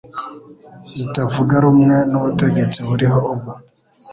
zitavuga rumwe n'ubutegetsi buriho ubu